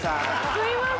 すいません。